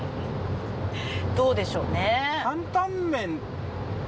どうでしょうね？